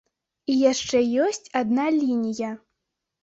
І яшчэ ёсць адна лінія.